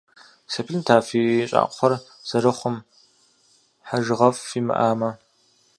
Сеплъынт, а фи щӏакхъуэр зэрыхъум, хьэжыгъэфӏ фимыӏамэ.